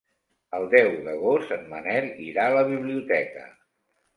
El deu d'agost en Manel irà a la biblioteca.